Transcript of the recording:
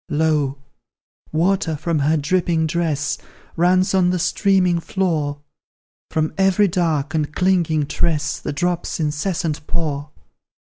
Lo! water from her dripping dress Runs on the streaming floor; From every dark and clinging tress The drops incessant pour.